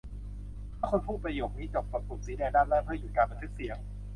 ถ้าคุณพูดประโยคนี้จบ กดปุ่มสีแดงด้านล่างเพื่อหยุดการบันทึกเสียง